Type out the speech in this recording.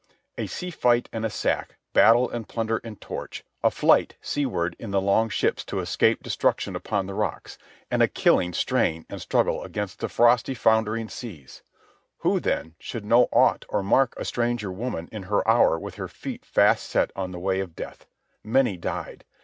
A sea fight and a sack, battle and plunder and torch, a flight seaward in the long ships to escape destruction upon the rocks, and a killing strain and struggle against the frosty, foundering seas—who, then, should know aught or mark a stranger woman in her hour with her feet fast set on the way of death? Many died.